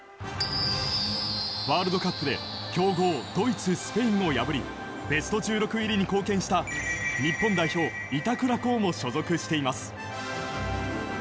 ワールドカップで強豪ドイツ、スペインを破りベスト１６入りに貢献した日本代表、板倉滉も所属しています。